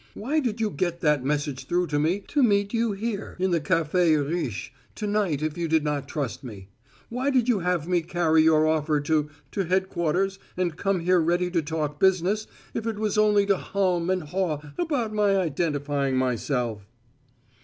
Why did you get that message through to me to meet you here in the Café Riche to night if you did not trust me? Why did you have me carry your offer to to headquarters and come here ready to talk business if it was only to hum and haw about my identifying myself?"